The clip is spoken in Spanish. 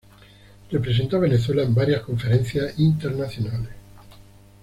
Representó a Venezuela en varias conferencias internacionales.